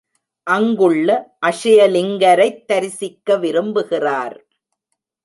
அங்குள்ள அக்ஷயலிங்கரைத் தரிசிக்க விரும்புகிறார்.